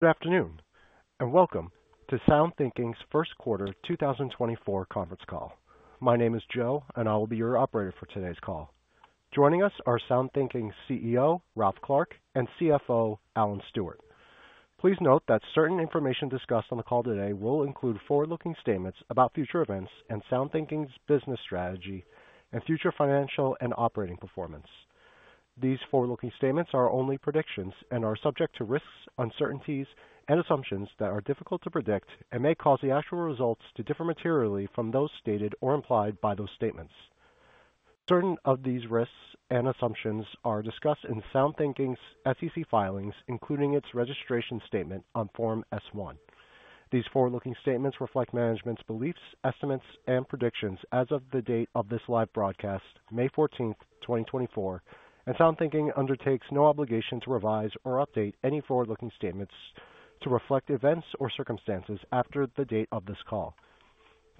Good afternoon, and welcome to SoundThinking's first quarter 2024 conference call. My name is Joe, and I will be your operator for today's call. Joining us are SoundThinking's CEO, Ralph Clark, and CFO, Alan Stewart. Please note that certain information discussed on the call today will include forward-looking statements about future events and SoundThinking's business strategy and future financial and operating performance. These forward-looking statements are only predictions and are subject to risks, uncertainties, and assumptions that are difficult to predict and may cause the actual results to differ materially from those stated or implied by those statements. Certain of these risks and assumptions are discussed in SoundThinking's SEC filings, including its registration statement on Form S-1. These forward-looking statements reflect management's beliefs, estimates, and predictions as of the date of this live broadcast, May 14, 2024, and SoundThinking undertakes no obligation to revise or update any forward-looking statements to reflect events or circumstances after the date of this call.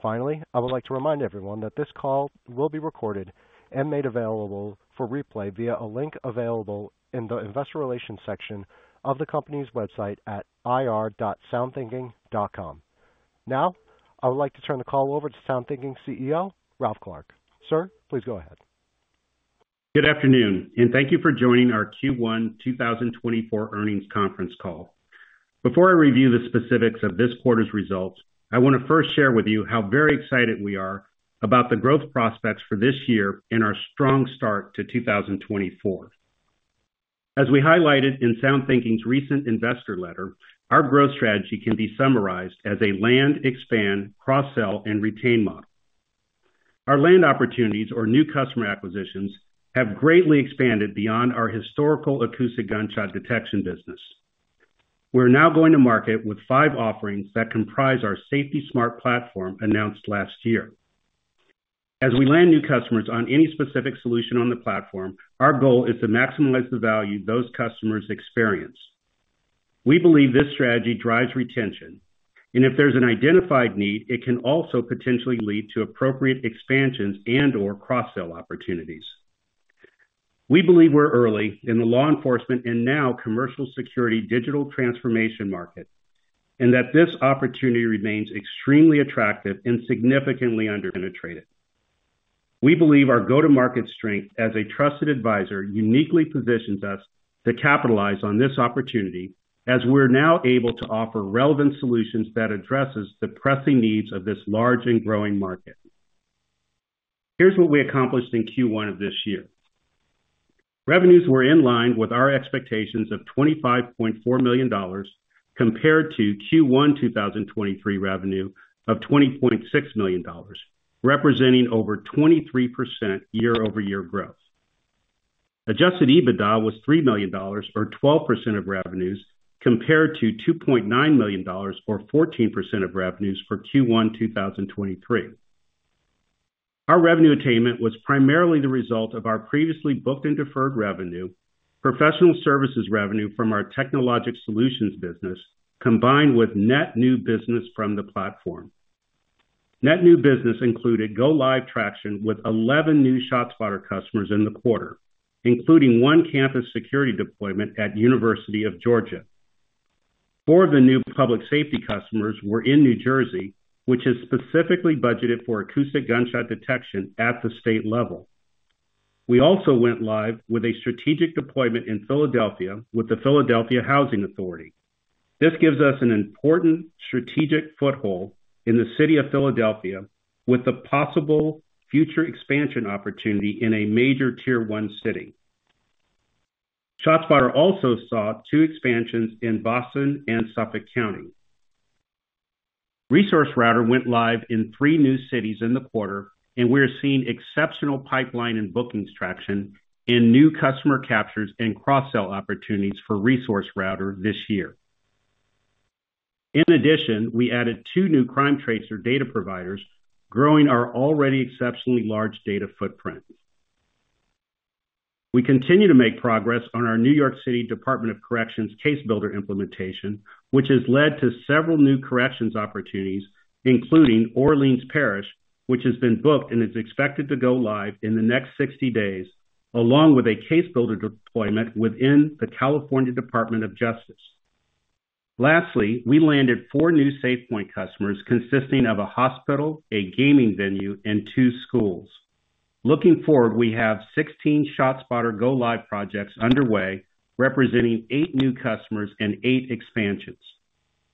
Finally, I would like to remind everyone that this call will be recorded and made available for replay via a link available in the investor relations section of the company's website at ir.soundthinking.com. Now, I would like to turn the call over to SoundThinking's CEO, Ralph Clark. Sir, please go ahead. Good afternoon, and thank you for joining our Q1 2024 earnings conference call. Before I review the specifics of this quarter's results, I want to first share with you how very excited we are about the growth prospects for this year and our strong start to 2024. As we highlighted in SoundThinking's recent investor letter, our growth strategy can be summarized as a land, expand, cross-sell, and retain model. Our land opportunities or new customer acquisitions have greatly expanded beyond our historical acoustic gunshot detection business. We're now going to market with five offerings that comprise our SafetySmart Platform, announced last year. As we land new customers on any specific solution on the platform, our goal is to maximize the value those customers experience. We believe this strategy drives retention, and if there's an identified need, it can also potentially lead to appropriate expansions and/or cross-sell opportunities. We believe we're early in the law enforcement and now commercial security digital transformation market, and that this opportunity remains extremely attractive and significantly under-penetrated. We believe our go-to-market strength as a trusted advisor uniquely positions us to capitalize on this opportunity, as we're now able to offer relevant solutions that addresses the pressing needs of this large and growing market. Here's what we accomplished in Q1 of this year. Revenues were in line with our expectations of $25.4 million compared to Q1 2023 revenue of $20.6 million, representing over 23% year-over-year growth. Adjusted EBITDA was $3 million or 12% of revenues, compared to $2.9 million or 14% of revenues for Q1 2023. Our revenue attainment was primarily the result of our previously booked and deferred revenue, professional services revenue from our TechnoLogic Solutions business, combined with net new business from the platform. Net new business included go-live traction with 11 new ShotSpotter customers in the quarter, including one campus security deployment at University of Georgia. Four of the new public safety customers were in New Jersey, which is specifically budgeted for acoustic gunshot detection at the state level. We also went live with a strategic deployment in Philadelphia with the Philadelphia Housing Authority. This gives us an important strategic foothold in the city of Philadelphia with the possible future expansion opportunity in a major Tier One city. ShotSpotter also saw two expansions in Boston and Suffolk County. ResourceRouter went live in three new cities in the quarter, and we are seeing exceptional pipeline and bookings traction in new customer captures and cross-sell opportunities for ResourceRouter this year. In addition, we added two new CrimeTracer data providers, growing our already exceptionally large data footprint. We continue to make progress on our New York City Department of Correction CaseBuilder implementation, which has led to several new corrections opportunities, including Orleans Parish, which has been booked and is expected to go live in the next 60 days, along with a CaseBuilder deployment within the California Department of Justice. Lastly, we landed four new SafePointe customers, consisting of a hospital, a gaming venue, and two schools. Looking forward, we have 16 ShotSpotter go-live projects underway, representing 8 new customers and 8 expansions.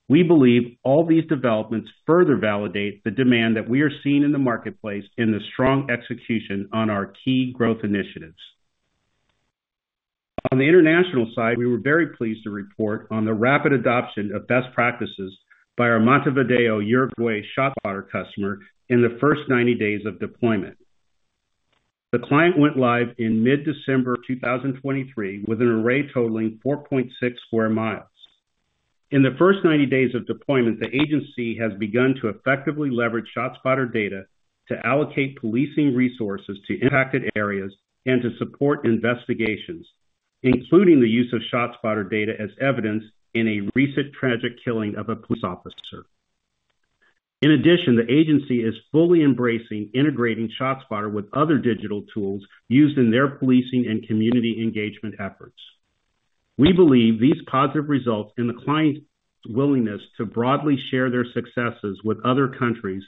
We believe all these developments further validate the demand that we are seeing in the marketplace and the strong execution on our key growth initiatives. On the international side, we were very pleased to report on the rapid adoption of best practices by our Montevideo, Uruguay, ShotSpotter customer in the first 90 days of deployment. The client went live in mid-December 2023, with an array totaling 4.6 sq mi. In the first 90 days of deployment, the agency has begun to effectively leverage ShotSpotter data to allocate policing resources to impacted areas and to support investigations, including the use of ShotSpotter data as evidence in a recent tragic killing of a police officer.... In addition, the agency is fully embracing integrating ShotSpotter with other digital tools used in their policing and community engagement efforts. We believe these positive results and the client's willingness to broadly share their successes with other countries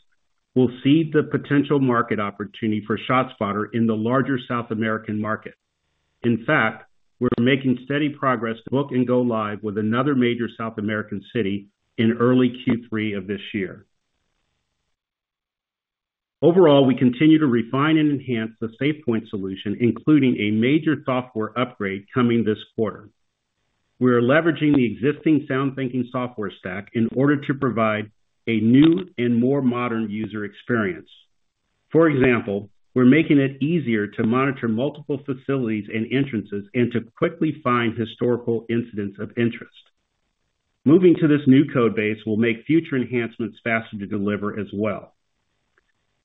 will seed the potential market opportunity for ShotSpotter in the larger South American market. In fact, we're making steady progress to book and go live with another major South American city in early Q3 of this year. Overall, we continue to refine and enhance the SafePointe solution, including a major software upgrade coming this quarter. We are leveraging the existing SoundThinking software stack in order to provide a new and more modern user experience. For example, we're making it easier to monitor multiple facilities and entrances and to quickly find historical incidents of interest. Moving to this new code base will make future enhancements faster to deliver as well.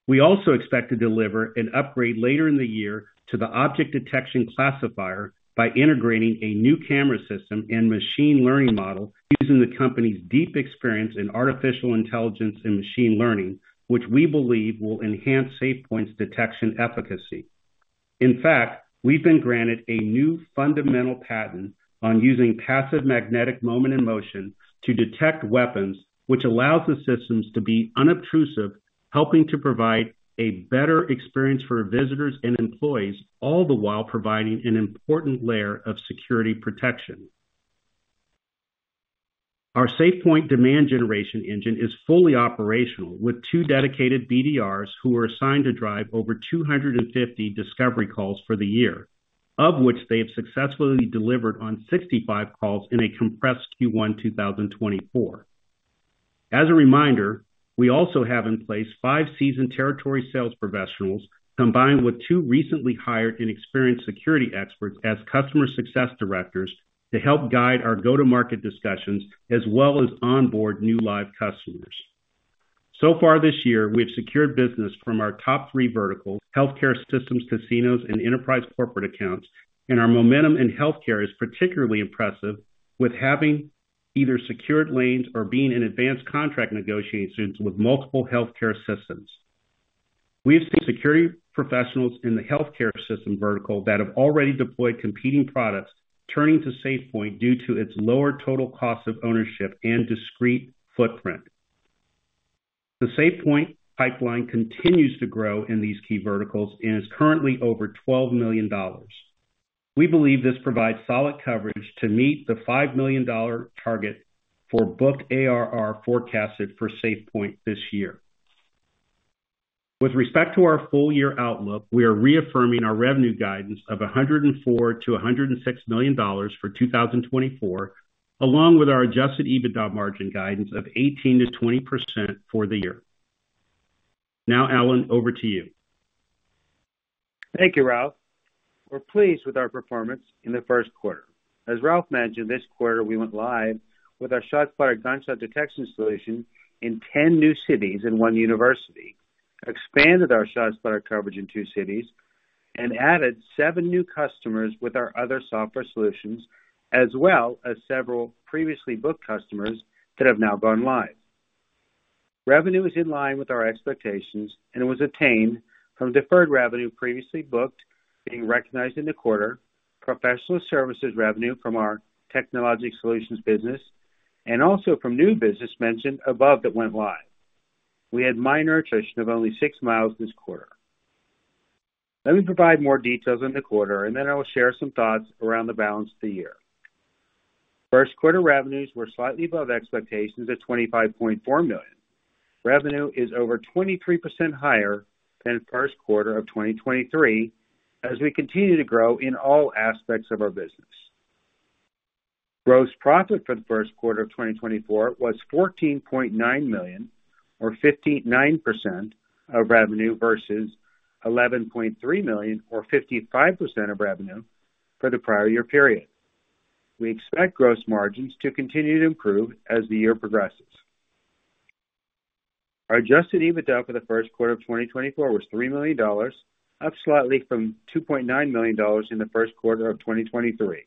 We also expect to deliver an upgrade later in the year to the object detection classifier by integrating a new camera system and machine learning model using the company's deep experience in artificial intelligence and machine learning, which we believe will enhance SafePointe's detection efficacy. In fact, we've been granted a new fundamental patent on using passive magnetic moment in motion to detect weapons, which allows the systems to be unobtrusive, helping to provide a better experience for visitors and employees, all the while providing an important layer of security protection. Our SafePointe demand generation engine is fully operational, with two dedicated BDRs who are assigned to drive over 250 discovery calls for the year, of which they have successfully delivered on 65 calls in a compressed Q1, 2024. As a reminder, we also have in place five seasoned territory sales professionals, combined with two recently hired and experienced security experts as customer success directors, to help guide our go-to-market discussions, as well as onboard new live customers. So far this year, we've secured business from our top three verticals, healthcare systems, casinos, and enterprise corporate accounts, and our momentum in healthcare is particularly impressive with having either secured lanes or being in advanced contract negotiations with multiple healthcare systems. We have seen security professionals in the healthcare system vertical that have already deployed competing products, turning to SafePointe due to its lower total cost of ownership and discrete footprint. The SafePointe pipeline continues to grow in these key verticals and is currently over $12 million. We believe this provides solid coverage to meet the $5 million target for booked ARR forecasted for SafePointe this year. With respect to our full year outlook, we are reaffirming our revenue guidance of $104 million-$106 million for 2024, along with our adjusted EBITDA margin guidance of 18%-20% for the year. Now, Alan, over to you. Thank you, Ralph. We're pleased with our performance in the first quarter. As Ralph mentioned, this quarter, we went live with our ShotSpotter gunshot detection solution in 10 new cities and one university, expanded our ShotSpotter coverage in two cities, and added seven new customers with our other software solutions, as well as several previously booked customers that have now gone live. Revenue is in line with our expectations and was attained from deferred revenue previously booked, being recognized in the quarter, professional services revenue from our Technology Solutions business, and also from new business mentioned above that went live. We had minor attrition of only six miles this quarter. Let me provide more details on the quarter, and then I will share some thoughts around the balance of the year. First quarter revenues were slightly above expectations at $25.4 million. Revenue is over 23% higher than first quarter of 2023, as we continue to grow in all aspects of our business. Gross profit for the first quarter of 2024 was $14.9 million, or 59% of revenue, versus $11.3 million, or 55% of revenue for the prior year period. We expect gross margins to continue to improve as the year progresses. Our adjusted EBITDA for the first quarter of 2024 was $3 million, up slightly from $2.9 million in the first quarter of 2023.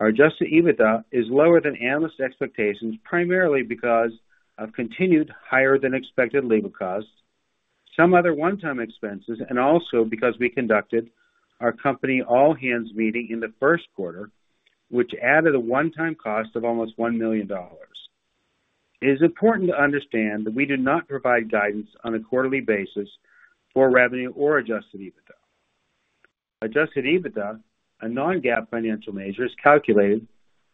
Our adjusted EBITDA is lower than analyst expectations, primarily because of continued higher than expected legal costs, some other one-time expenses, and also because we conducted our company all-hands meeting in the first quarter, which added a one-time cost of almost $1 million. It is important to understand that we do not provide guidance on a quarterly basis for revenue or adjusted EBITDA. Adjusted EBITDA, a non-GAAP financial measure, is calculated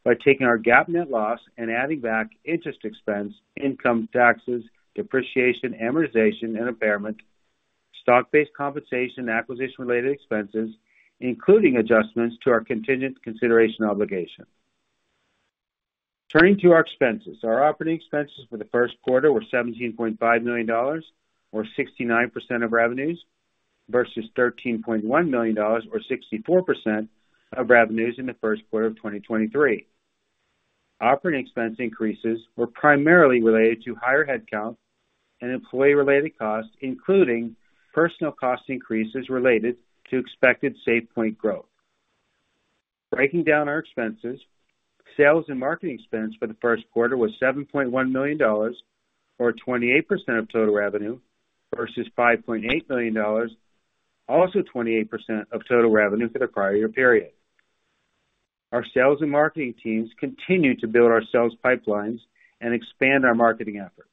by taking our GAAP net loss and adding back interest expense, income taxes, depreciation, amortization, and impairment, stock-based compensation, acquisition-related expenses, including adjustments to our contingent consideration obligation. Turning to our expenses. Our operating expenses for the first quarter were $17.5 million, or 69% of revenues, versus $13.1 million, or 64% of revenues in the first quarter of 2023. Operating expense increases were primarily related to higher headcount and employee-related costs, including personal cost increases related to expected SafePointe growth. Breaking down our expenses, sales and marketing expense for the first quarter was $7.1 million, or 28% of total revenue, versus $5.8 million, also 28% of total revenue for the prior year period. Our sales and marketing teams continue to build our sales pipelines and expand our marketing efforts.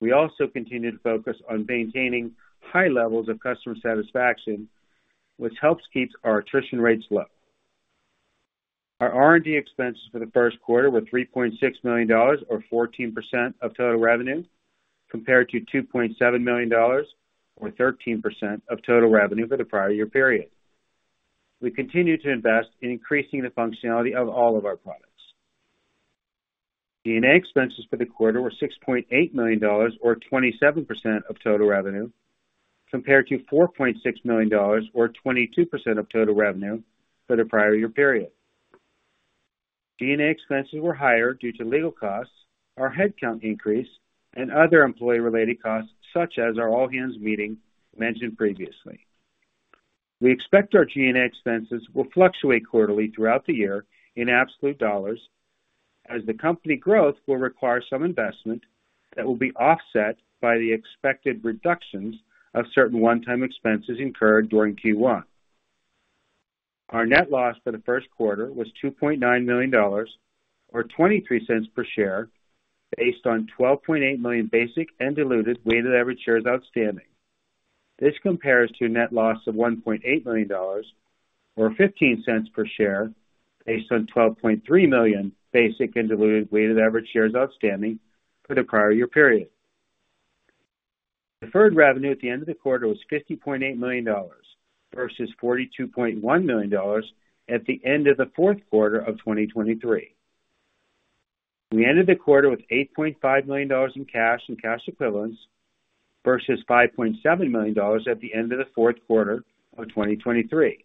We also continue to focus on maintaining high levels of customer satisfaction, which helps keeps our attrition rates low. Our R&D expenses for the first quarter were $3.6 million, or 14% of total revenue, compared to $2.7 million, or 13% of total revenue for the prior year period. We continue to invest in increasing the functionality of all of our products. G&A expenses for the quarter were $6.8 million, or 27% of total revenue, compared to $4.6 million, or 22% of total revenue for the prior year period. G&A expenses were higher due to legal costs, our headcount increase, and other employee-related costs, such as our all-hands meeting mentioned previously. We expect our G&A expenses will fluctuate quarterly throughout the year in absolute dollars, as the company growth will require some investment that will be offset by the expected reductions of certain one-time expenses incurred during Q1. Our net loss for the first quarter was $2.9 million, or $0.23 per share, based on 12.8 million basic and diluted weighted average shares outstanding. This compares to a net loss of $1.8 million, or $0.15 per share, based on 12.3 million basic and diluted weighted average shares outstanding for the prior year period. Deferred revenue at the end of the quarter was $50.8 million, versus $42.1 million at the end of the fourth quarter of 2023. We ended the quarter with $8.5 million in cash and cash equivalents, versus $5.7 million at the end of the fourth quarter of 2023.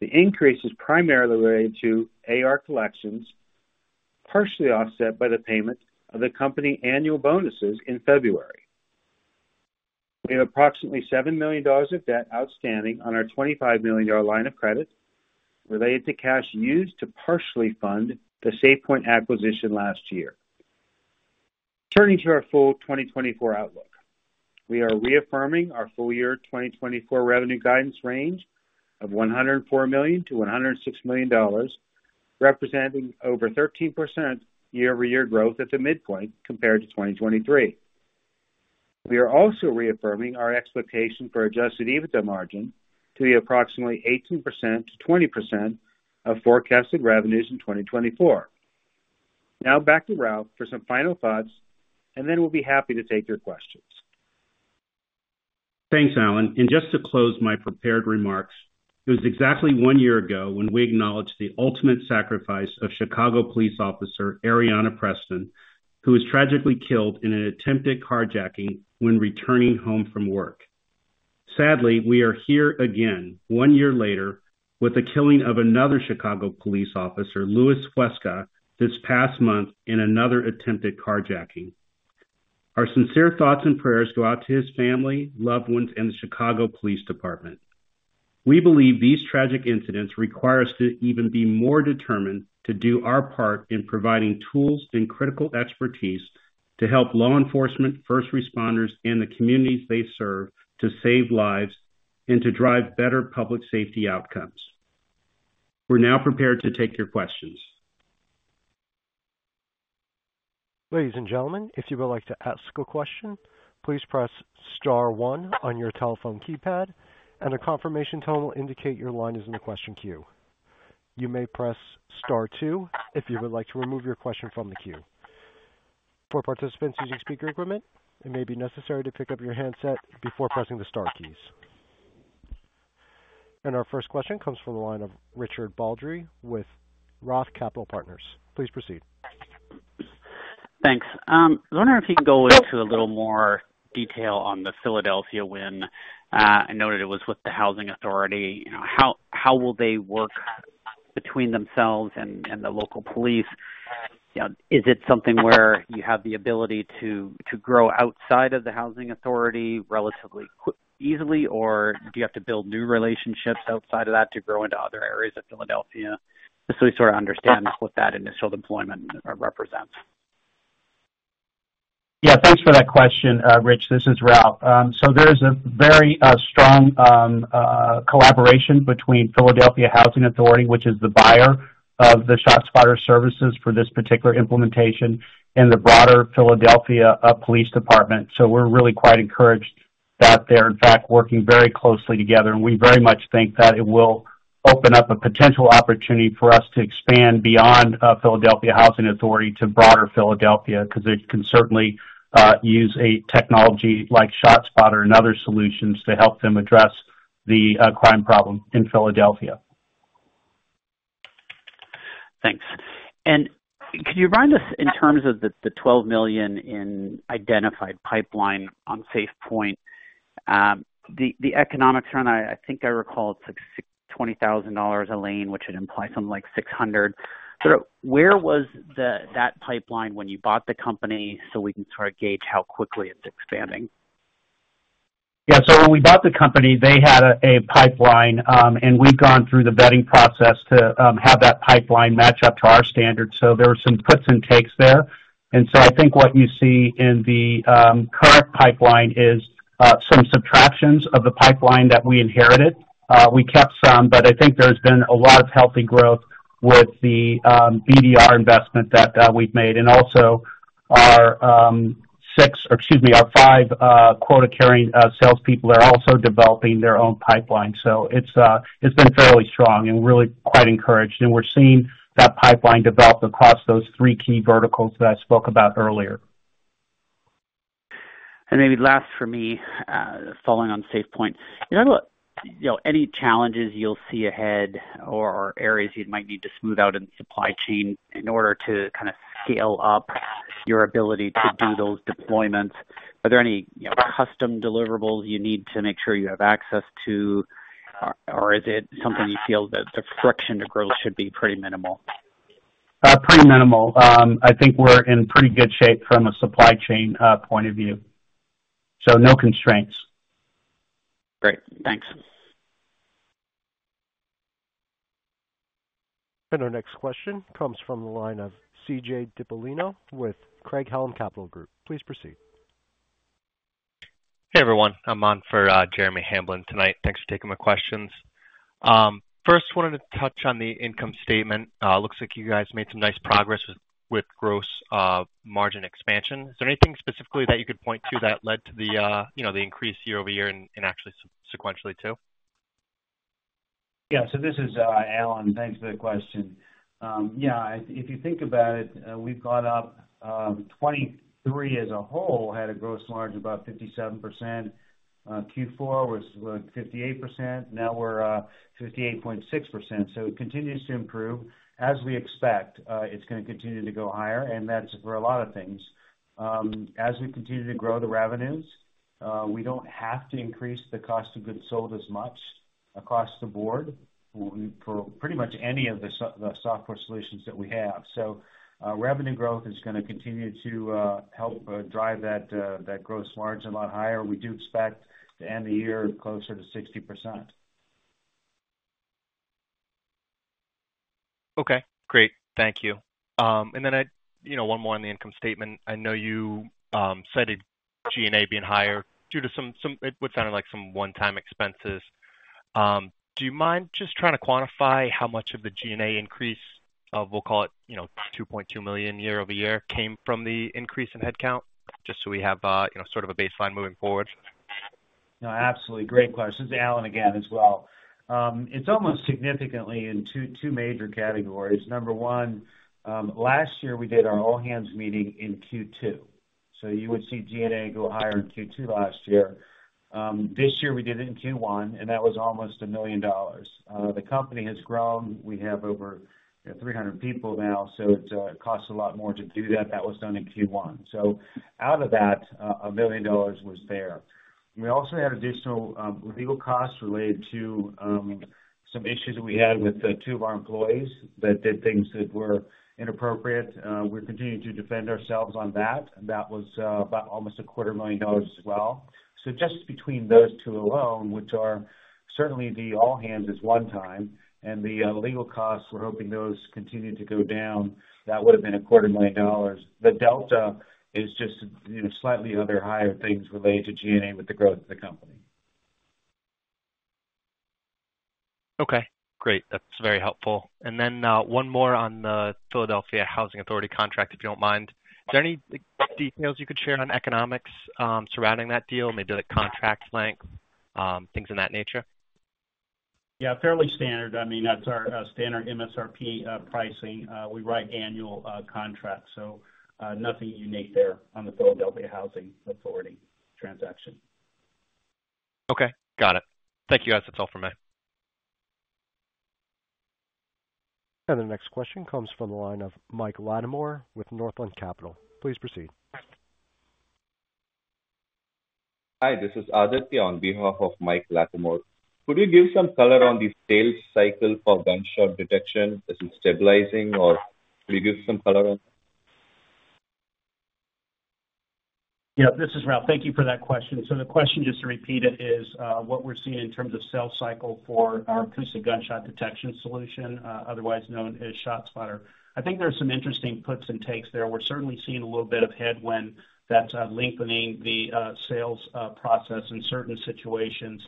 The increase is primarily related to AR collections, partially offset by the payment of the company annual bonuses in February. We have approximately $7 million of debt outstanding on our $25 million line of credit related to cash used to partially fund the SafePointe acquisition last year. Turning to our full 2024 outlook. We are reaffirming our full year 2024 revenue guidance range of $104 million-$106 million, representing over 13% year-over-year growth at the midpoint compared to 2023. We are also reaffirming our expectation for Adjusted EBITDA margin to be approximately 18%-20% of forecasted revenues in 2024. Now back to Ralph for some final thoughts, and then we'll be happy to take your questions. Thanks, Alan. Just to close my prepared remarks, it was exactly one year ago when we acknowledged the ultimate sacrifice of Chicago police officer, Aréanah Preston, who was tragically killed in an attempted carjacking when returning home from work. Sadly, we are here again, one year later, with the killing of another Chicago police officer, Luis Huesca, this past month in another attempted carjacking. Our sincere thoughts and prayers go out to his family, loved ones, and the Chicago Police Department. We believe these tragic incidents require us to even be more determined to do our part in providing tools and critical expertise to help law enforcement, first responders, and the communities they serve, to save lives and to drive better public safety outcomes. We're now prepared to take your questions. Ladies and gentlemen, if you would like to ask a question, please press star one on your telephone keypad, and a confirmation tone will indicate your line is in the question queue. You may press star two if you would like to remove your question from the queue. For participants using speaker equipment, it may be necessary to pick up your handset before pressing the star keys. Our first question comes from the line of Richard Baldry with Roth Capital Partners. Please proceed. Thanks. I was wondering if you can go into a little more detail on the Philadelphia win. I noted it was with the housing authority. You know, how will they work between themselves and the local police? You know, is it something where you have the ability to grow outside of the housing authority relatively quickly easily, or do you have to build new relationships outside of that to grow into other areas of Philadelphia? Just so we sort of understand what that initial deployment represents. Yeah, thanks for that question, Rich. This is Ralph. So there is a very strong collaboration between Philadelphia Housing Authority, which is the buyer of the ShotSpotter services for this particular implementation, and the broader Philadelphia Police Department. So we're really quite encouraged that they're in fact working very closely together, and we very much think that it will open up a potential opportunity for us to expand beyond Philadelphia Housing Authority to broader Philadelphia, because they can certainly use a technology like ShotSpotter and other solutions to help them address the crime problem in Philadelphia. Thanks. Can you remind us in terms of the $12 million in identified pipeline on SafePointe, the economics on, I think I recall it's like $620,000 a lane, which would imply something like $600. So where was that pipeline when you bought the company, so we can sort of gauge how quickly it's expanding?... Yeah, so when we bought the company, they had a pipeline, and we've gone through the vetting process to have that pipeline match up to our standards. So there were some puts and takes there. And so I think what you see in the current pipeline is some subtractions of the pipeline that we inherited. We kept some, but I think there's been a lot of healthy growth with the BDR investment that we've made. And also, our six, or excuse me, our five quota-carrying salespeople are also developing their own pipeline. So it's been fairly strong and really quite encouraged, and we're seeing that pipeline develop across those three key verticals that I spoke about earlier. And maybe last for me, following on SafePointe. You know what, you know, any challenges you'll see ahead or, or areas you might need to smooth out in the supply chain in order to kind of scale up your ability to do those deployments? Are there any, you know, custom deliverables you need to make sure you have access to, or is it something you feel that the friction to growth should be pretty minimal? Pretty minimal. I think we're in pretty good shape from a supply chain point of view. So no constraints. Great. Thanks. Our next question comes from the line of C.J. Dipollino with Craig-Hallum Capital Group. Please proceed. Hey, everyone. I'm on for Jeremy Hamblin tonight. Thanks for taking my questions. First, wanted to touch on the income statement. Looks like you guys made some nice progress with gross margin expansion. Is there anything specifically that you could point to that led to the, you know, the increase year over year and actually sequentially, too? Yeah. So this is, Alan. Thanks for the question. Yeah, if you think about it, we've gone up 23 as a whole, had a gross margin about 57%. Q4 was 58%. Now we're 58.6%, so it continues to improve. As we expect, it's gonna continue to go higher, and that's for a lot of things. As we continue to grow the revenues, we don't have to increase the cost of goods sold as much across the board for pretty much any of the software solutions that we have. So, revenue growth is gonna continue to help drive that gross margin a lot higher. We do expect to end the year closer to 60%. Okay, great. Thank you. And then I... You know, one more on the income statement. I know you cited G&A being higher due to some, what sounded like some one-time expenses. Do you mind just trying to quantify how much of the G&A increase of, we'll call it, you know, $2.2 million year-over-year, came from the increase in headcount? Just so we have, you know, sort of a baseline moving forward. No, absolutely. Great question. This is Alan again, as well. It's almost significantly in two major categories. Number one, last year, we did our all hands meeting in Q2, so you would see G&A go higher in Q2 last year. This year, we did it in Q1, and that was almost $1 million. The company has grown. We have over, you know, 300 people now, so it costs a lot more to do that. That was done in Q1. So out of that, $1 million was there. We also had additional, legal costs related to, some issues we had with, two of our employees that did things that were inappropriate. We're continuing to defend ourselves on that, and that was about almost $250,000 as well. So just between those two alone, which are certainly the all hands is one time, and the legal costs, we're hoping those continue to go down, that would have been $250,000. The delta is just, you know, slightly other higher things related to G&A with the growth of the company. Okay, great. That's very helpful. And then, one more on the Philadelphia Housing Authority contract, if you don't mind. Is there any details you could share on economics surrounding that deal? Maybe the contract length, things of that nature. Yeah, fairly standard. I mean, that's our standard MSRP pricing. We write annual contracts, so nothing unique there on the Philadelphia Housing Authority transaction. Okay, got it. Thank you, guys. That's all for me. The next question comes from the line of Mike Latimore with Northland Capital. Please proceed. Hi, this is Aditi on behalf of Mike Latimore. Could you give some color on the sales cycle for gunshot detection? Is it stabilizing, or could you give some color on that? Yeah, this is Ralph. Thank you for that question. So the question, just to repeat it, is what we're seeing in terms of sales cycle for our acoustic gunshot detection solution, otherwise known as ShotSpotter. I think there's some interesting puts and takes there. We're certainly seeing a little bit of headwind that's lengthening the sales process in certain situations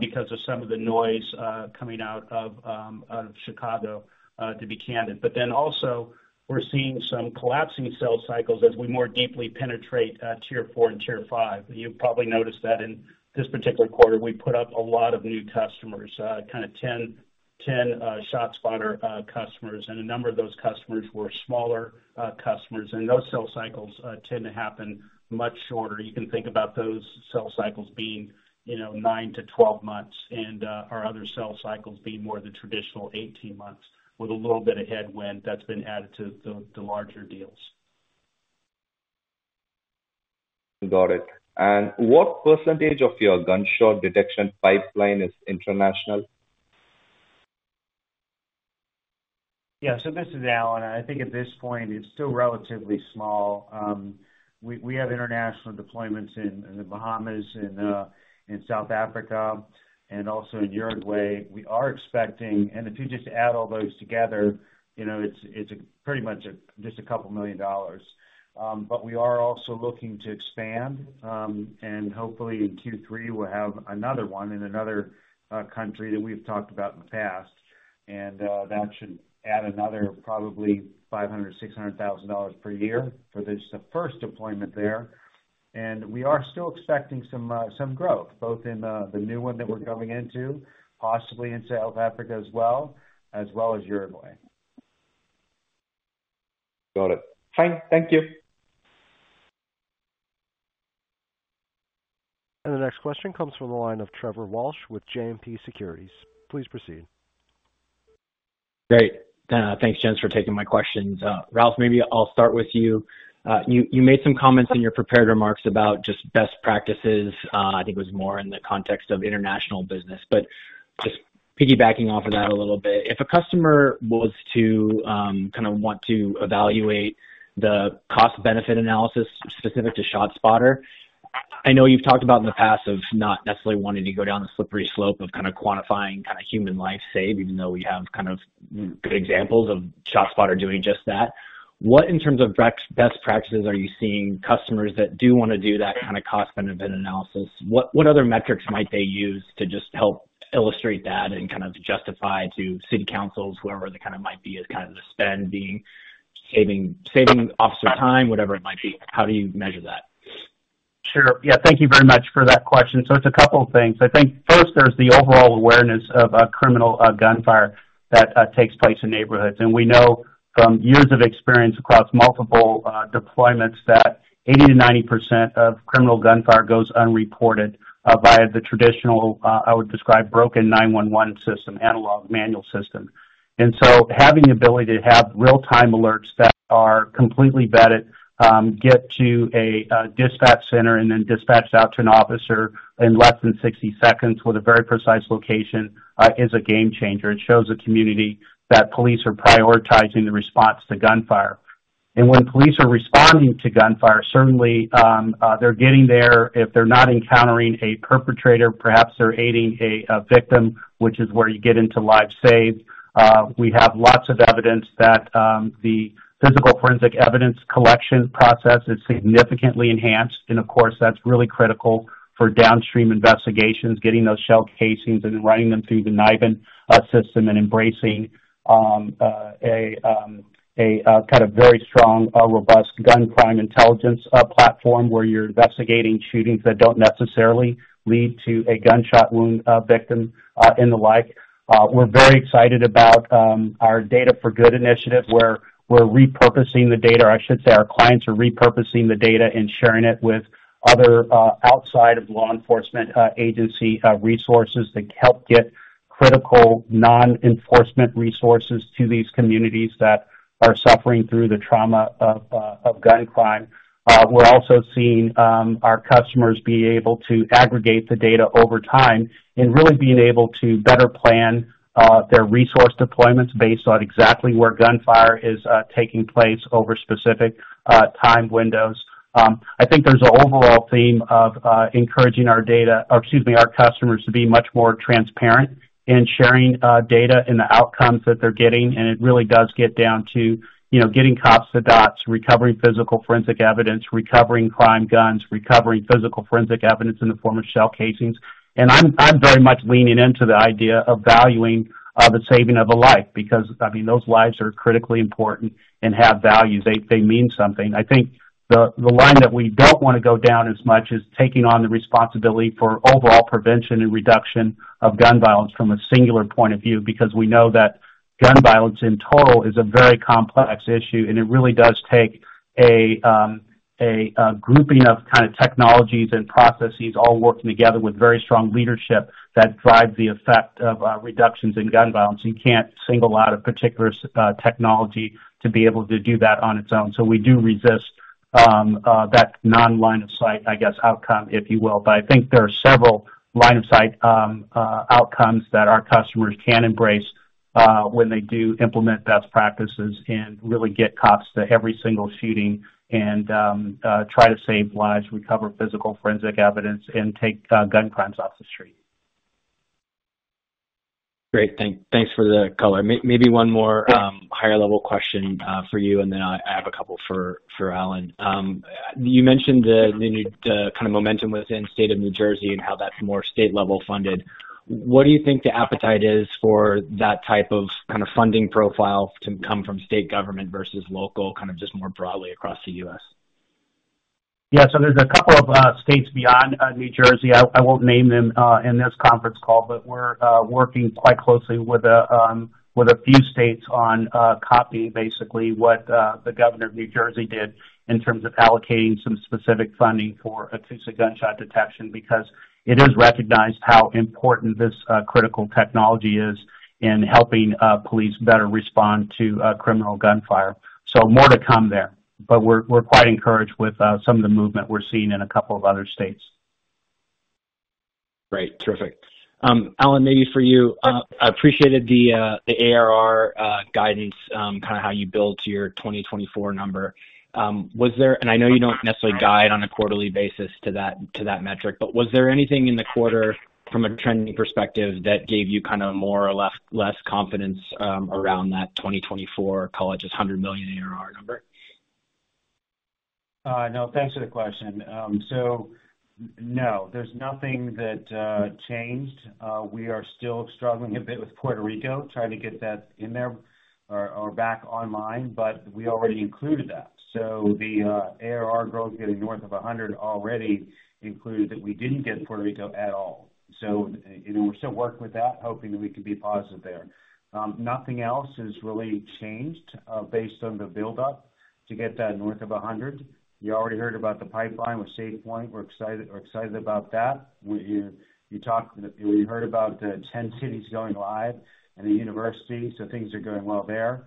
because of some of the noise coming out of of Chicago, to be candid. But then also, we're seeing some collapsing sales cycles as we more deeply penetrate tier four and tier five. You've probably noticed that in this particular quarter, we put up a lot of new customers, kind of 10, 10 ShotSpotter customers, and a number of those customers were smaller customers, and those sales cycles tend to happen much shorter. You can think about those sales cycles being, you know, 9-12 months, and our other sales cycles being more the traditional 18 months, with a little bit of headwind that's been added to the larger deals. Got it. And what percentage of your gunshot detection pipeline is international?... Yeah, so this is Alan. I think at this point, it's still relatively small. We have international deployments in the Bahamas, in South Africa, and also in Uruguay. We are expecting... If you just add all those together, you know, it's pretty much just a couple million dollars. But we are also looking to expand, and hopefully in Q3, we'll have another one in another country that we've talked about in the past. And that should add another probably $500,000-$600,000 per year for the first deployment there. We are still expecting some growth, both in the new one that we're going into, possibly in South Africa as well as Uruguay. Got it. Fine. Thank you. The next question comes from the line of Trevor Walsh with JMP Securities. Please proceed. Great. Thanks, gents, for taking my questions. Ralph, maybe I'll start with you. You made some comments in your prepared remarks about just best practices. I think it was more in the context of international business, but just piggybacking off of that a little bit. If a customer was to kind of want to evaluate the cost-benefit analysis specific to ShotSpotter, I know you've talked about in the past of not necessarily wanting to go down the slippery slope of kind of quantifying kind of human life saved, even though we have kind of good examples of ShotSpotter doing just that. What, in terms of best practices, are you seeing customers that do want to do that kind of cost-benefit analysis? What other metrics might they use to just help illustrate that and kind of justify to city councils, whoever the kind of might be, as kind of the spend being saving officer time, whatever it might be? How do you measure that? Sure. Yeah, thank you very much for that question. So it's a couple of things. I think first, there's the overall awareness of criminal gunfire that takes place in neighborhoods. And we know from years of experience across multiple deployments, that 80%-90% of criminal gunfire goes unreported via the traditional, I would describe, broken 9-1-1 system, analog, manual system. And so having the ability to have real-time alerts that are completely vetted, get to a dispatch center and then dispatched out to an officer in less than 60 seconds with a very precise location is a game changer. It shows the community that police are prioritizing the response to gunfire. And when police are responding to gunfire, certainly, they're getting there. If they're not encountering a perpetrator, perhaps they're aiding a victim, which is where you get into life saved. We have lots of evidence that the physical forensic evidence collection process is significantly enhanced. And of course, that's really critical for downstream investigations, getting those shell casings and running them through the NIBIN system, and embracing a kind of very strong robust gun crime intelligence platform, where you're investigating shootings that don't necessarily lead to a gunshot wound victim, and the like. We're very excited about our Data for Good initiative, where we're repurposing the data, or I should say, our clients are repurposing the data and sharing it with other outside of law enforcement agency resources that help get critical non-enforcement resources to these communities that are suffering through the trauma of gun crime. We're also seeing our customers be able to aggregate the data over time and really being able to better plan their resource deployments based on exactly where gunfire is taking place over specific time windows. I think there's an overall theme of encouraging our data, or excuse me, our customers to be much more transparent in sharing data and the outcomes that they're getting, and it really does get down to, you know, getting cops to dots, recovering physical forensic evidence, recovering crime guns, recovering physical forensic evidence in the form of shell casings. I'm very much leaning into the idea of valuing the saving of a life, because, I mean, those lives are critically important and have value. They mean something. I think the line that we don't want to go down as much is taking on the responsibility for overall prevention and reduction of gun violence from a singular point of view, because we know that gun violence in total is a very complex issue, and it really does take a grouping of kind of technologies and processes all working together with very strong leadership that drives the effect of reductions in gun violence. You can't single out a particular technology to be able to do that on its own. So we do resist that non-line of sight, I guess, outcome, if you will. I think there are several line of sight outcomes that our customers can embrace when they do implement best practices and really get cops to every single shooting and try to save lives, recover physical forensic evidence, and take gun crimes off the street. Great. Thanks for the color. Maybe one more higher level question for you, and then I have a couple for Alan. You mentioned the kind of momentum within state of New Jersey and how that's more state-level funded. What do you think the appetite is for that type of kind of funding profile to come from state government versus local, kind of just more broadly across the U.S.? Yeah, so there's a couple of states beyond New Jersey. I won't name them in this conference call, but we're working quite closely with a few states on copying, basically, what the governor of New Jersey did in terms of allocating some specific funding for acoustic gunshot detection, because it is recognized how important this critical technology is in helping police better respond to criminal gunfire. So more to come there, but we're quite encouraged with some of the movement we're seeing in a couple of other states.... Great. Terrific. Alan, maybe for you, I appreciated the ARR guidance, kind of how you built your 2024 number. And I know you don't necessarily guide on a quarterly basis to that metric, but was there anything in the quarter from a trending perspective that gave you kind of more or less confidence around that 2024 – call it just $100 million ARR number? No, thanks for the question. So no, there's nothing that changed. We are still struggling a bit with Puerto Rico, trying to get that in there or back online, but we already included that. So the ARR growth getting north of 100 already included that we didn't get Puerto Rico at all. So, you know, we're still working with that, hoping that we can be positive there. Nothing else has really changed based on the buildup to get that north of 100. You already heard about the pipeline with SafePointe. We're excited, we're excited about that. We, you, you talked, we heard about the 10 cities going live and the university, so things are going well there.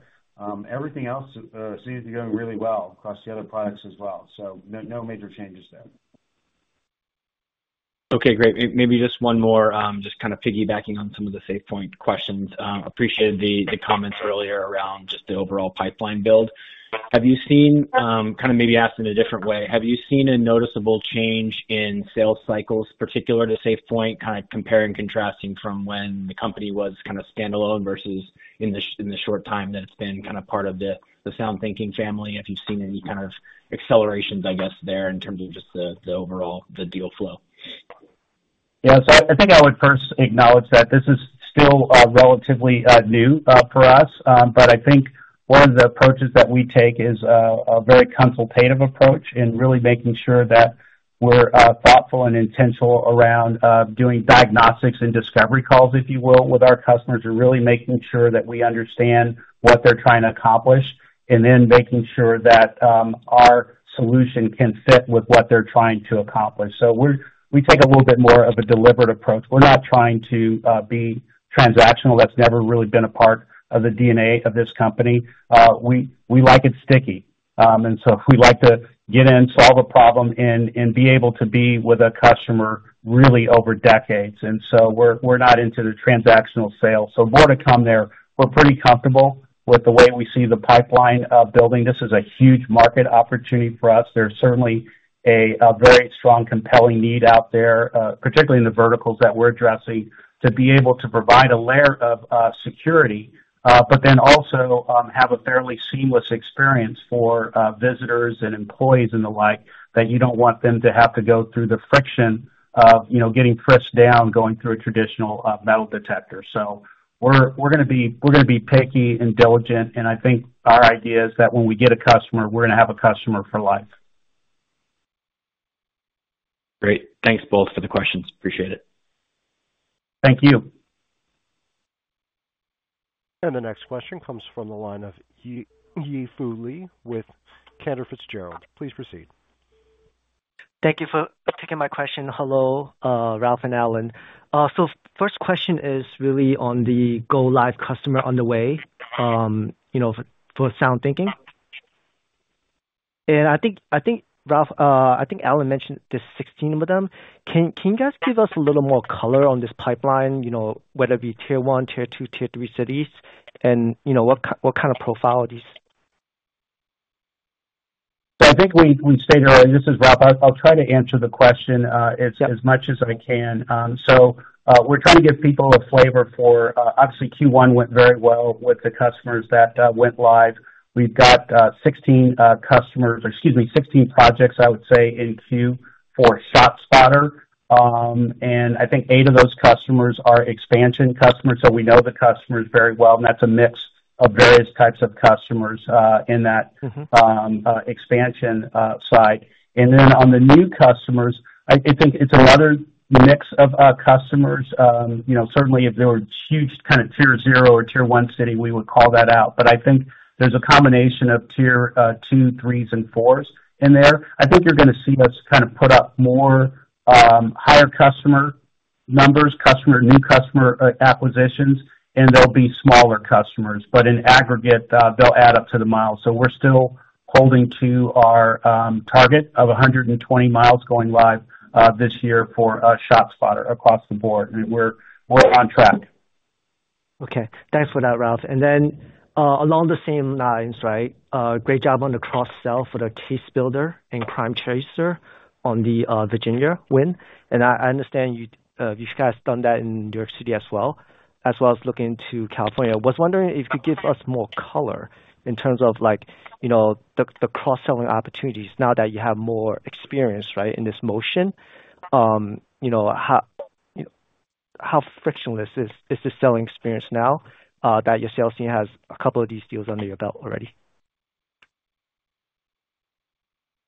Everything else seems to be going really well across the other products as well. So no, no major changes there. Okay, great. Maybe just one more, just kind of piggybacking on some of the SafePointe questions. Appreciated the comments earlier around just the overall pipeline build. Have you seen, kind of maybe asked in a different way, have you seen a noticeable change in sales cycles, particular to SafePointe, kind of comparing, contrasting from when the company was kind of standalone versus in the short time that it's been kind of part of the SoundThinking family, if you've seen any kind of accelerations, I guess, there, in terms of just the overall deal flow? Yeah. So I think I would first acknowledge that this is still relatively new for us. But I think one of the approaches that we take is a very consultative approach, and really making sure that we're thoughtful and intentional around doing diagnostics and discovery calls, if you will, with our customers, and really making sure that we understand what they're trying to accomplish, and then making sure that our solution can fit with what they're trying to accomplish. So we take a little bit more of a deliberate approach. We're not trying to be transactional. That's never really been a part of the DNA of this company. We like it sticky. We like to get in, solve a problem, and be able to be with a customer really over decades, and so we're not into the transactional sale. More to come there. We're pretty comfortable with the way we see the pipeline building. This is a huge market opportunity for us. There's certainly a very strong, compelling need out there, particularly in the verticals that we're addressing, to be able to provide a layer of security, but then also have a fairly seamless experience for visitors and employees and the like, that you don't want them to have to go through the friction of, you know, getting pressed down, going through a traditional metal detector. So we're gonna be picky and diligent, and I think our idea is that when we get a customer, we're gonna have a customer for life. Great. Thanks both for the questions. Appreciate it. Thank you. The next question comes from the line of Yi Fu Lee with Cantor Fitzgerald. Please proceed. Thank you for taking my question. Hello, Ralph and Alan. So first question is really on the go live customer on the way, you know, for, for SoundThinking. And I think, I think, Ralph, I think Alan mentioned there's 16 of them. Can you guys give us a little more color on this pipeline? You know, whether it be Tier 1, Tier 2, Tier 3 cities, and you know, what kind of profile are these? So I think we stated earlier, this is Ralph. I'll try to answer the question, as- Yep... as much as I can. So, we're trying to give people a flavor for, obviously, Q1 went very well with the customers that went live. We've got, 16 customers, or excuse me, 16 projects, I would say, in queue for ShotSpotter. And I think eight of those customers are expansion customers, so we know the customers very well, and that's a mix of various types of customers, in that- Mm-hmm... expansion side. And then on the new customers, I think it's another mix of customers. You know, certainly if there were huge kind of tier zero or tier one city, we would call that out. But I think there's a combination of tier two, threes and fours in there. I think you're gonna see us kind of put up more higher customer numbers, new customer acquisitions, and they'll be smaller customers, but in aggregate, they'll add up to the miles. So we're still holding to our target of 120 miles going live this year for ShotSpotter across the board, and we're on track. Okay. Thanks for that, Ralph. And then, along the same lines, right, great job on the cross-sell for the CaseBuilder and CrimeTracer on the Virginia win. And I understand you guys done that in New York City as well as looking to California. I was wondering if you could give us more color in terms of like, you know, the cross-selling opportunities now that you have more experience, right, in this motion. You know, how frictionless is this selling experience now, that your sales team has a couple of these deals under your belt already?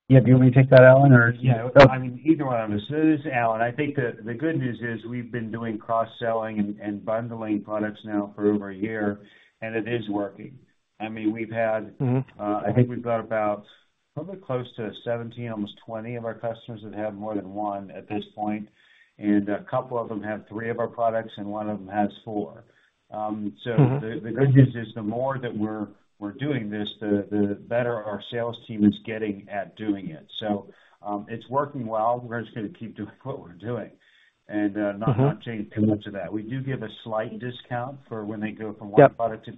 Yeah. Do you want me to take that, Alan, or...? Yeah. I mean, either one of us. So this is Alan. I think the good news is we've been doing cross-selling and bundling products now for over a year, and it is working. I mean, we've had- Mm-hmm... I think we've got about probably close to 17, almost 20 of our customers that have more than one at this point, and a couple of them have three of our products, and one of them has four. So- Mm-hmm The good news is, the more that we're doing this, the better our sales team is getting at doing it. So, it's working well. We're just gonna keep doing what we're doing and, Mm-hmm... not change too much of that. We do give a slight discount for when they go from one product to...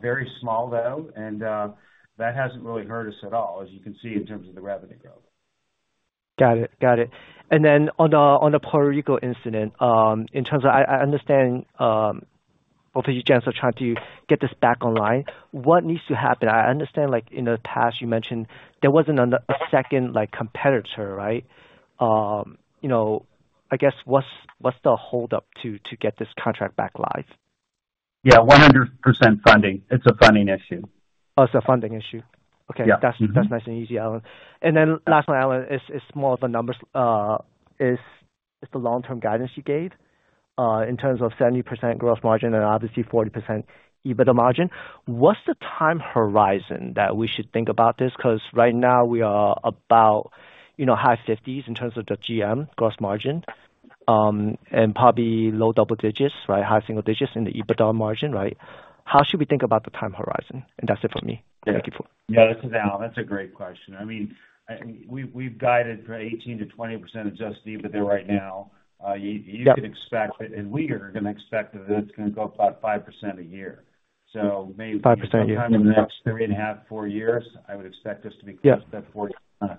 very small, though, and that hasn't really hurt us at all, as you can see, in terms of the revenue growth. Got it. Got it. And then on the Puerto Rico incident, in terms of I understand both of you guys are trying to get this back online. What needs to happen? I understand, like, in the past, you mentioned there wasn't a second, like, competitor, right? You know, I guess, what's the holdup to get this contract back live? Yeah, 100% funding. It's a funding issue. Oh, it's a funding issue. Yeah. Okay. That's, that's nice and easy, Alan. And then last one, Alan, it's, it's more of a numbers - it's, it's the long-term guidance you gave in terms of 70% growth margin and obviously 40% EBITDA margin. What's the time horizon that we should think about this? Because right now we are about, you know, high 50s in terms of the GM, gross margin, and probably low double digits, right, high single digits in the EBITDA margin, right? How should we think about the time horizon? And that's it for me. Thank you for- Yeah, this is Alan. That's a great question. I mean, we've guided for 18%-20% Adjusted EBITDA right now. Yeah. You can expect that, and we are gonna expect that it's gonna go up about 5% a year. So maybe- 5%, yeah. Sometime in the next 3.5-4 years, I would expect this to be- Yeah... close to that 40%.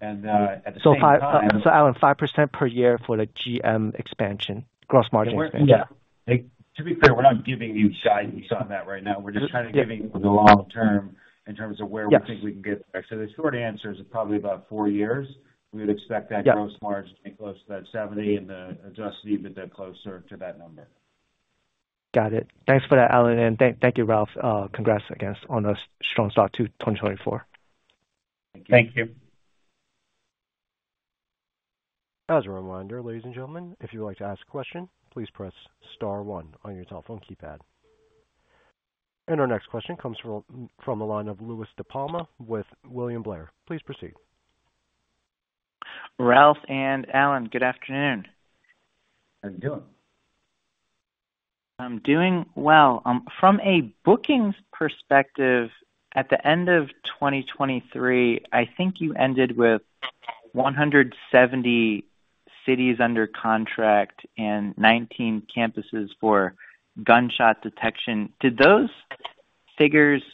And, at the same time- So, Alan, 5% per year for the GM expansion, gross margin expansion? Yeah. To be clear, we're not giving you guidance on that right now. We're just kind of giving the long term in terms of where- Yeah... we think we can get there. So the short answer is probably about four years. We would expect that- Yeah... gross margin to be close to that 70% and the Adjusted EBITDA closer to that number. Got it. Thanks for that, Alan, and thank you, Ralph. Congrats, I guess, on a strong start to 2024. Thank you. As a reminder, ladies and gentlemen, if you'd like to ask a question, please press star one on your telephone keypad. Our next question comes from the line of Louie DiPalma with William Blair. Please proceed. Ralph and Alan, good afternoon. How are you doing? I'm doing well. From a bookings perspective, at the end of 2023, I think you ended with 170 cities under contract and 19 campuses for gunshot detection. Did those figures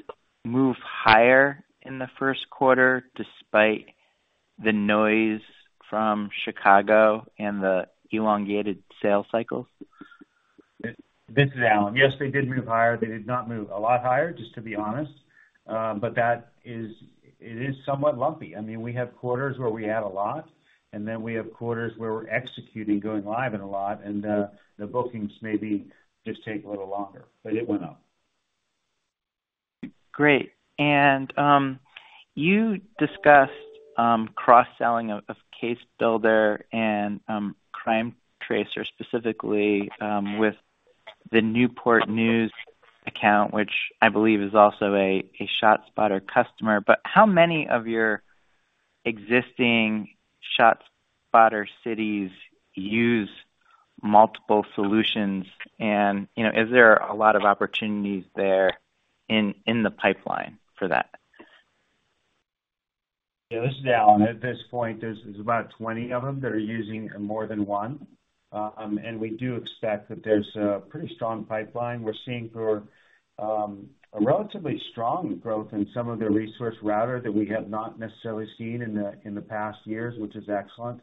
move higher in the first quarter, despite the noise from Chicago and the elongated sales cycles? This is Alan. Yes, they did move higher. They did not move a lot higher, just to be honest, but that is, it is somewhat lumpy. I mean, we have quarters where we add a lot, and then we have quarters where we're executing, going live and a lot, and the bookings maybe just take a little longer, but it went up. Great. And, you discussed cross-selling of CaseBuilder and CrimeTracer, specifically, with the Newport News account, which I believe is also a ShotSpotter customer. But how many of your existing ShotSpotter cities use multiple solutions? And, you know, is there a lot of opportunities there in the pipeline for that? Yeah, this is Alan. At this point, there's about 20 of them that are using more than one. And we do expect that there's a pretty strong pipeline. We're seeing for a relatively strong growth in some of the ResourceRouter that we have not necessarily seen in the past years, which is excellent.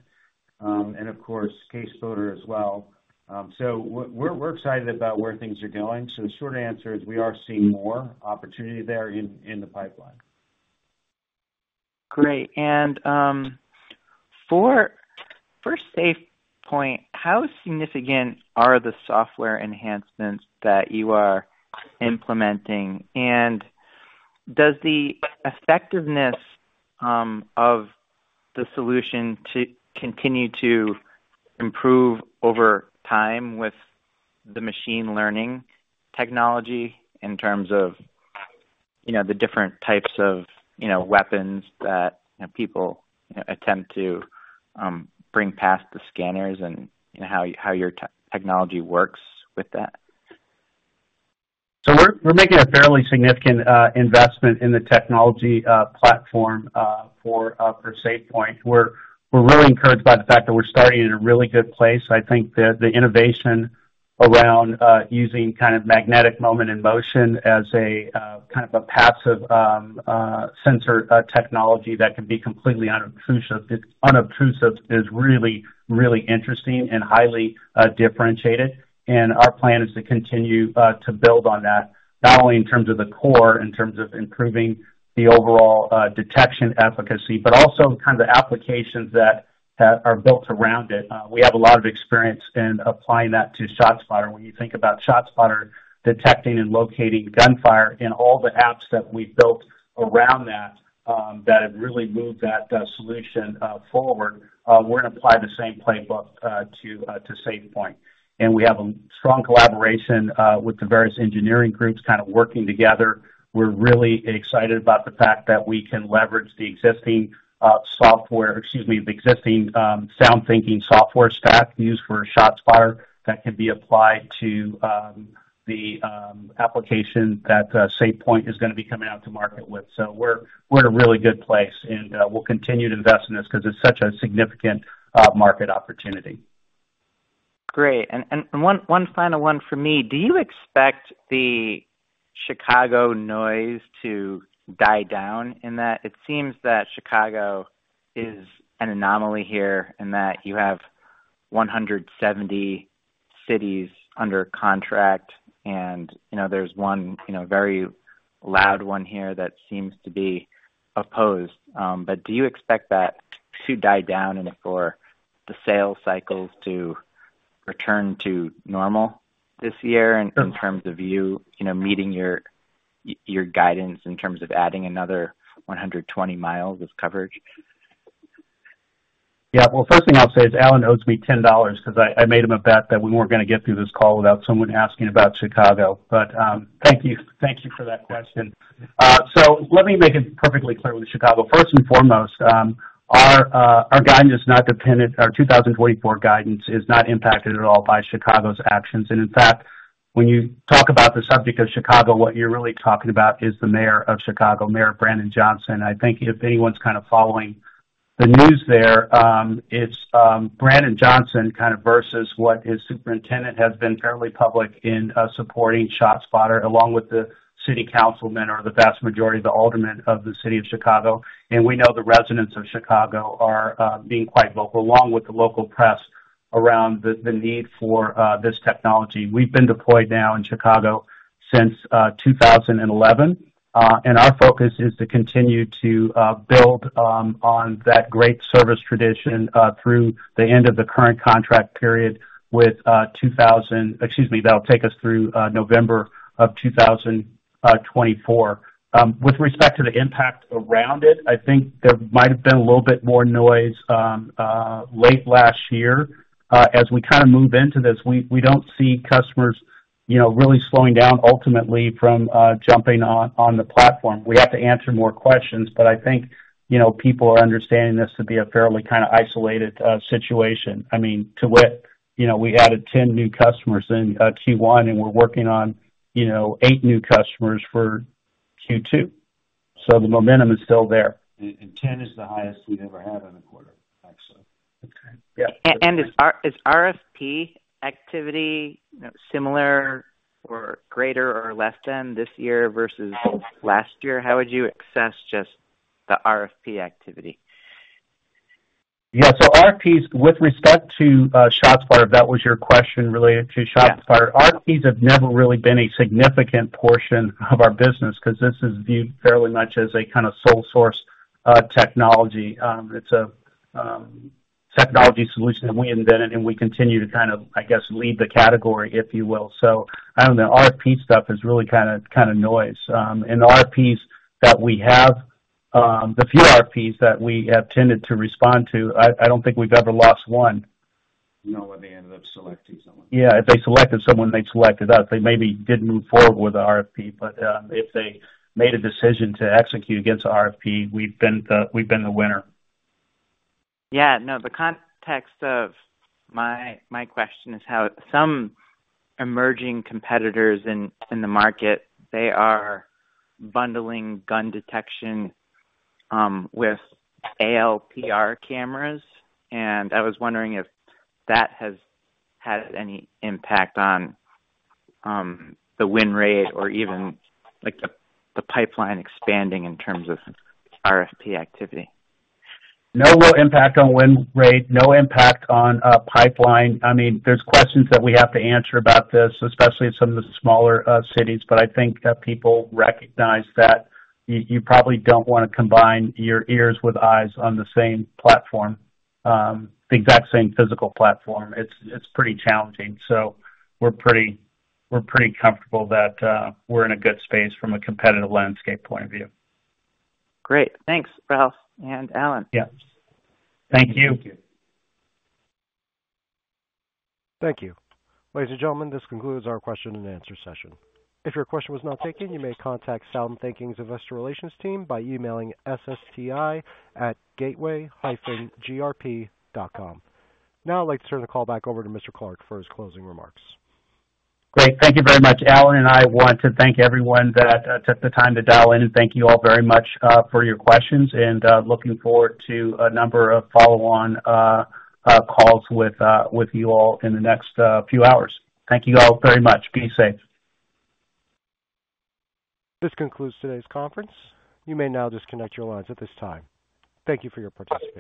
And of course, CaseBuilder as well. So we're excited about where things are going. So the short answer is we are seeing more opportunity there in the pipeline. Great. And for SafePointe, how significant are the software enhancements that you are implementing? And does the effectiveness of the solution continue to improve over time with the machine learning technology in terms of, you know, the different types of, you know, weapons that people attempt to bring past the scanners and how your technology works with that? We're making a fairly significant investment in the technology platform for SafePointe. We're really encouraged by the fact that we're starting in a really good place. I think that the innovation around using kind of magnetic moment in motion as a kind of a passive sensor technology that can be completely unobtrusive, unobtrusive is really, really interesting and highly differentiated. Our plan is to continue to build on that, not only in terms of the core, in terms of improving the overall detection efficacy, but also in kinds of applications that that are built around it. We have a lot of experience in applying that to ShotSpotter. When you think about ShotSpotter, detecting and locating gunfire and all the apps that we've built around that, that have really moved that solution forward, we're gonna apply the same playbook to SafePointe. We have a strong collaboration with the various engineering groups kind of working together. We're really excited about the fact that we can leverage the existing software... Excuse me, the existing SoundThinking software stack used for ShotSpotter that can be applied to the application that SafePointe is gonna be coming out to market with. We're in a really good place, and we'll continue to invest in this because it's such a significant market opportunity.... Great. And one final one for me: Do you expect the Chicago noise to die down, in that it seems that Chicago is an anomaly here, in that you have 170 cities under contract, and, you know, there's one, you know, very loud one here that seems to be opposed. But do you expect that to die down and for the sales cycles to return to normal this year in terms of you, you know, meeting your, y- your guidance in terms of adding another 120 miles of coverage? Yeah. Well, first thing I'll say is Alan owes me $10 because I made him a bet that we weren't gonna get through this call without someone asking about Chicago. But, thank you, thank you for that question. So let me make it perfectly clear with Chicago. First and foremost, our guidance is not dependent, our 2024 guidance is not impacted at all by Chicago's actions. And in fact, when you talk about the subject of Chicago, what you're really talking about is the mayor of Chicago, Mayor Brandon Johnson. I think if anyone's kind of following the news there, it's Brandon Johnson kind of versus what his superintendent has been fairly public in supporting ShotSpotter, along with the city councilmen or the vast majority of the aldermen of the city of Chicago. We know the residents of Chicago are being quite vocal, along with the local press, around the need for this technology. We've been deployed now in Chicago since 2011. Our focus is to continue to build on that great service tradition through the end of the current contract period with 2000... Excuse me, that'll take us through November of 2024. With respect to the impact around it, I think there might have been a little bit more noise late last year. As we kind of move into this, we don't see customers, you know, really slowing down ultimately from jumping on the platform. We have to answer more questions, but I think, you know, people are understanding this to be a fairly kind of isolated situation. I mean, to wit, you know, we added 10 new customers in Q1, and we're working on, you know, 8 new customers for Q2. So the momentum is still there. And, and 10 is the highest we've ever had in a quarter, actually. Okay. Yeah. Is RFP activity similar or greater or less than this year versus last year? How would you assess just the RFP activity? Yeah, so RFPs, with respect to, ShotSpotter, if that was your question related to ShotSpotter- Yeah. RFPs have never really been a significant portion of our business, because this is viewed fairly much as a kind of sole source, technology. It's a technology solution that we invented, and we continue to kind of, I guess, lead the category, if you will. So I don't know. RFP stuff is really kind of, kind of noise. And the RFPs that we have, the few RFPs that we have tended to respond to, I, I don't think we've ever lost one. No, they ended up selecting someone. Yeah, if they selected someone, they selected us. They maybe didn't move forward with the RFP, but, if they made a decision to execute against the RFP, we've been the, we've been the winner. Yeah. No, the context of my question is how some emerging competitors in the market, they are bundling gun detection with ALPR cameras, and I was wondering if that has had any impact on the win rate or even, like, the pipeline expanding in terms of RFP activity. No real impact on win rate, no impact on pipeline. I mean, there's questions that we have to answer about this, especially in some of the smaller cities, but I think that people recognize that you probably don't want to combine your ears with eyes on the same platform, the exact same physical platform. It's pretty challenging. So we're pretty comfortable that we're in a good space from a competitive landscape point of view. Great. Thanks, Ralph and Alan. Yeah. Thank you. Thank you. Thank you. Ladies and gentlemen, this concludes our question and answer session. If your question was not taken, you may contact SoundThinking's Investor Relations team by emailing ssti@gateway-grp.com. Now I'd like to turn the call back over to Mr. Clark for his closing remarks. Great. Thank you very much. Alan and I want to thank everyone that took the time to dial in, and thank you all very much for your questions, and looking forward to a number of follow-on calls with you all in the next few hours. Thank you all very much. Be safe. This concludes today's conference. You may now disconnect your lines at this time. Thank you for your participation.